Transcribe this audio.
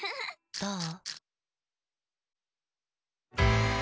どう？